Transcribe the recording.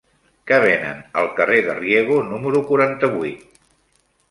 Què venen al carrer de Riego número quaranta-vuit?